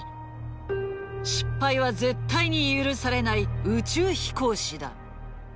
失敗は絶対に許されない宇宙飛行士だ。